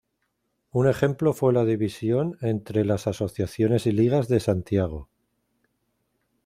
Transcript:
Un ejemplo fue la división entre las asociaciones y ligas de Santiago.